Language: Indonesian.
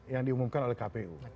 yang diumumkan oleh kpu